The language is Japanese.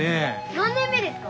何年目ですか？